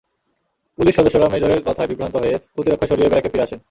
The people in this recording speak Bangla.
পুলিশ সদস্যরা মেজরের কথায় বিভ্রান্ত হয়ে প্রতিরক্ষা সরিয়ে ব্যারাকে ফিরে আসেন।